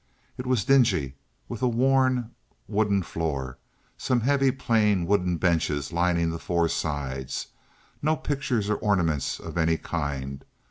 It was dingy, with a worn wooden floor, some heavy, plain, wooden benches lining the four sides, no pictures or ornaments of any kind.